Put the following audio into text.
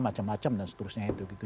macam macam dan seterusnya itu gitu